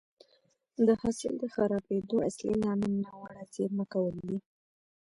د حاصل د خرابېدو اصلي لامل ناوړه زېرمه کول دي